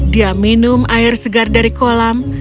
dia minum air segar dari kolam